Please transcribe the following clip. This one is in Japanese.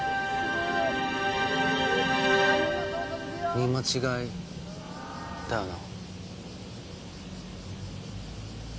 見間違いだよな。